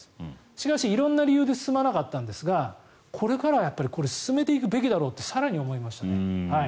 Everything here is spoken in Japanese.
しかし、色んな理由で進まなかったんですがこれからは進めていくべきだろうと更に思いましたね。